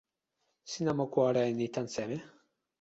sina moku ala e ni tan seme?